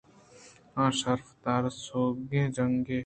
آ شرف دار ءُسوگہیں جنکے